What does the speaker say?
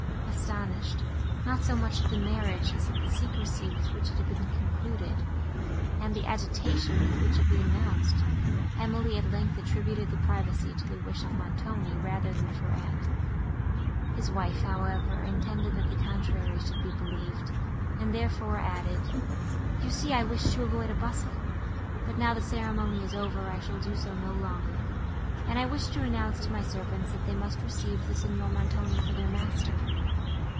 Astonished—not so much at the marriage, as at the secrecy with which it had been concluded, and the agitation with which it was announced, Emily, at length, attributed the privacy to the wish of Montoni, rather than of her aunt. His wife, however, intended, that the contrary should be believed, and therefore added, "you see I wished to avoid a bustle; but now the ceremony is over I shall do so no longer; and I wish to announce to my servants that they must receive the Signor Montoni for their master."